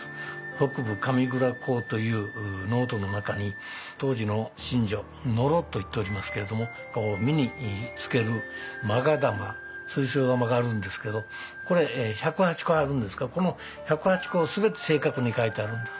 「北部神座考」というノートの中に当時の神女ノロといっておりますけれども身につけるまが玉水晶玉があるんですけどこれ１０８個あるんですがこの１０８個を全て正確に描いてあるんです。